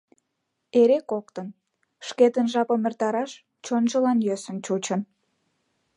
Эре коктын, шкетын жапым эртараш чонжылан йӧсын чучын.